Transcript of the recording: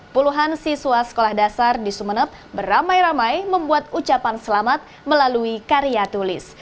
puluhan siswa sekolah dasar di sumeneb beramai ramai membuat ucapan selamat melalui karya tulis